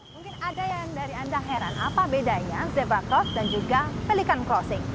mungkin ada yang dari anda heran apa bedanya zebra cross dan juga pelikan crossing